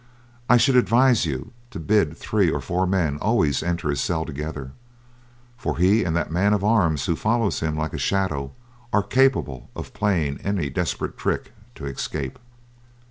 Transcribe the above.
I should advise you to bid three or four men always enter his cell together, for he and that man of arms who follows him like a shadow are capable of playing any desperate trick to escape.